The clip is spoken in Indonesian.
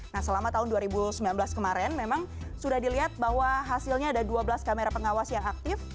nah selama tahun dua ribu sembilan belas kemarin memang sudah dilihat bahwa hasilnya ada dua belas kamera pengawas yang aktif